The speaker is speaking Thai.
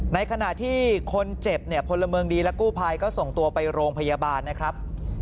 ในขณะที่คนเจ็บเนี่ยพลเมืองดีและกู้ภัยก็ส่งตัวไปโรงพยาบาลนะครับ